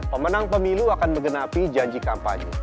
pemenang pemilu akan mengenapi janji kampanye